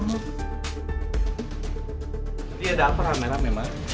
jadi ada apaan merah memang